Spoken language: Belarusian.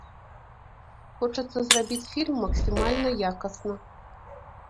Хочацца зрабіць фільм максімальна якасна.